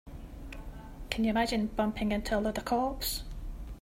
Can you imagine bumping into a load of cops?